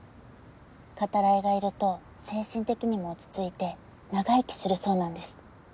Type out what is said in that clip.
カタライがいると精神的にも落ち着いて長生きするそうなんです。